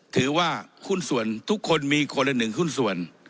ถือว่าหุ้นส่วนทุกคนมีคนละหนึ่งหุ้นส่วน